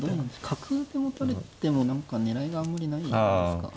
角出られても何か狙いがあんまりないんですか。